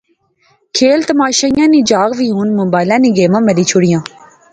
کھیل تماشیاں نی جاغ وی ہُن موبائلے نئیں گیمیں ملی شوڑی